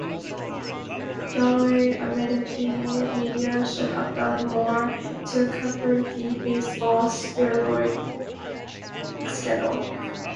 Galloway admitted the media should have done more to uncover the baseball steroid scandal.